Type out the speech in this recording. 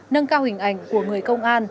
nâng cao hình ảnh của người công an